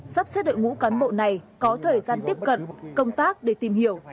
sắp xếp đội ngũ cán bộ này có thời gian tiếp cận công tác để tìm hiểu